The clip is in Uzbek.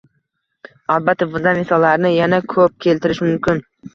Albatta, bunday misollarni yana ko'p keltirish mumkin